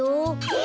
え！